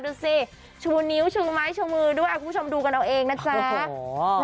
ดูสิชูนิ้วชูไม้ชูมือด้วยคุณผู้ชมดูกันเอาเองนะจ๊ะ